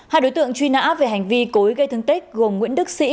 hai đối tượng truy nã về hành vi cối gây thương tích gồm nguyễn đức sĩ